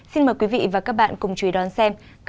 xin mời quý vị và các bạn cùng chú ý đón xem